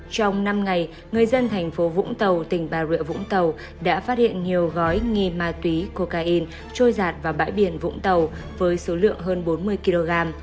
trong năm ngày người dân thành phố vũng tàu tỉnh bà rịa vũng tàu đã phát hiện nhiều gói nghi ma túy cocaine trôi giạt vào bãi biển vũng tàu với số lượng hơn bốn mươi kg